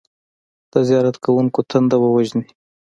د زیارت کوونکو تنده ووژني.